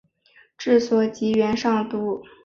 治所即元上都。